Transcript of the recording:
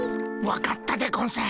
分かったでゴンス。